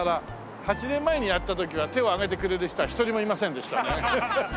８年前にやった時は手を上げてくれる人は一人もいませんでしたね。